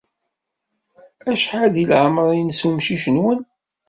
Acḥal deg leɛmeṛ-nnes umcic-nwen?